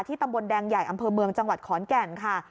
ตำบลแดงใหญ่อำเภอเมืองจังหวัดขอนแก่นค่ะ